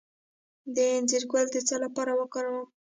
د انځر ګل د څه لپاره وکاروم؟